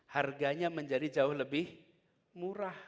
harganya menjadi jauh lebih murah